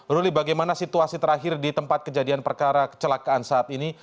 ruli bagaimana situasi terakhir di tempat kejadian perkara kecelakaan saat ini